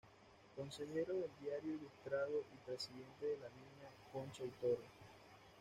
Consejero del "Diario Ilustrado" y presidente de la Viña Concha y Toro.